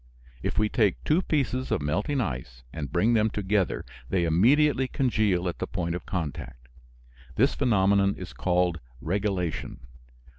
If we take two pieces of melting ice and bring them together they immediately congeal at the point of contact. This phenomenon is called "regelation."